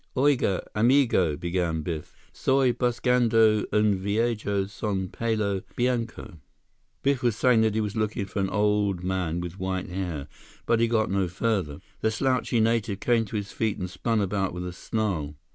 "Oiga, amigo," began Biff. "Soy buscando un viejo son pelo bianco—" Biff was saying that he was looking for an old man with white hair, but he got no further. The slouchy native came to his feet and spun about with a snarl.